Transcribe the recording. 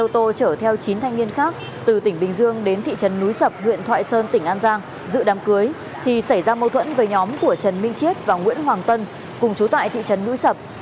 trở theo chín thanh niên khác từ tỉnh bình dương đến thị trấn núi sập huyện thoại sơn tỉnh an giang dự đám cưới thì xảy ra mâu thuẫn với nhóm của trần minh chiết và nguyễn hoàng tân cùng trú tại thị trấn núi sập